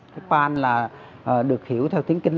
cái pan là được hiểu theo tiếng kinh